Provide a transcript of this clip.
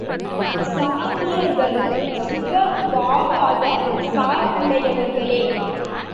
சாங்கியர்களும் சுபாவவாதச் சார்புடையவர்களே.